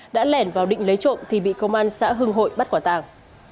đã lẻn vào định lấy trộm thì bị công an xã hưng hội bắt quả tàng